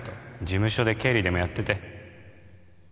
事務所で経理でもやってて